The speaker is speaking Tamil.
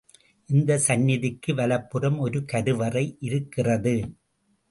இந்த சந்நிதிக்கு வலப்புறம் ஒரு கருவறை இருக்கிறது.